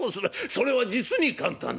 それは実に簡単だ」。